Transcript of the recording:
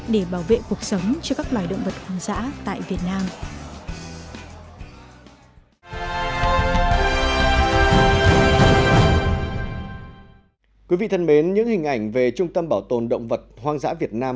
để bảo vệ cuộc sống cho các loài động vật hoang dã tại việt nam